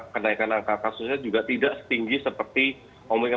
kenaikan angka kasusnya juga tidak setinggi seperti omikron